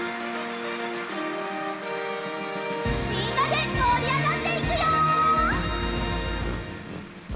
みんなでもりあがっていくよ！